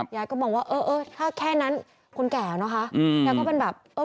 ยายก็บอกว่าถ้าแค่นั้นคุณแก่นะคะยายก็เป็นแบบ